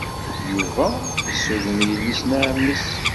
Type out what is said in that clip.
Yuba yessuden yelli-s n ɛemmi-s.